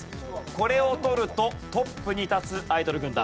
これを取るとトップに立つアイドル軍団。